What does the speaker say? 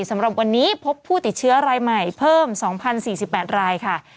สำหรับวันนี้พบผู้ติดเชื้อรายใหม่เพิ่ม๒๐๔๘รายค่ะ